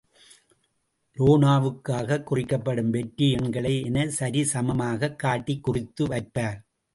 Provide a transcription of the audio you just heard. லோனாவுக்காகக் குறிக்கப்படும் வெற்றி எண்களை என சரி சமமாகக் காட்டிக் குறித்து வைப்பார்.